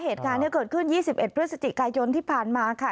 เหตุการณ์นี้เกิดขึ้น๒๑พฤศจิกายนที่ผ่านมาค่ะ